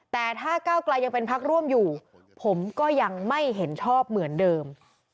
แต่ถ้าก้าวกลายยังเป็นพักร่วมอยู่ผมก็ยังไม่เห็นชอบเหมือนเดิม